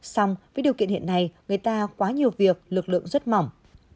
xong với điều kiện hiện nay người ta quá nhiều việc lực lượng rất mỏng